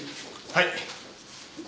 はい。